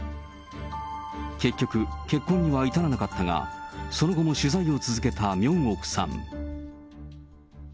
結局、結婚には至らなかったが、その後も取材を続けたミョンオクさん。